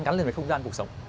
gắn liền với không gian cuộc sống